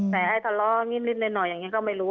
แต่ให้ทะเลาะนิดหน่อยอย่างนี้ก็ไม่รู้